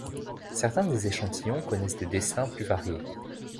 Certains des échantillons connaissent des destins plus variés.